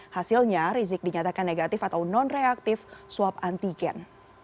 hasilnya rizik dinyatakan negatif atau non reaktif swab antigen